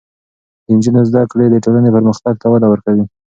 د نجونو زده کړې د ټولنې پرمختګ ته وده ورکوي.